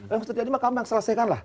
yang terjadi maka selesaikanlah